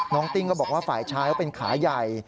ติ้งก็บอกว่าฝ่ายชายเขาเป็นขาใหญ่